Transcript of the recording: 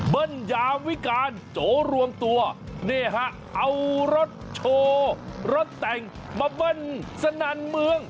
เบิ้ลยาวิการโจรวมตัวเอารถโชว์รถแต่งมาเบิ้ลสนานเมือง